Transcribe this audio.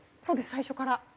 そうです最初から。